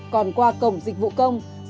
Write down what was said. còn qua cổng dịch vụ công